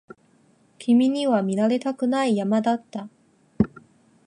君には見られたくない山だった